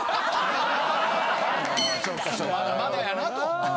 まだまだやなと。